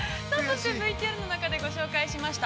◆ＶＴＲ中で紹介しました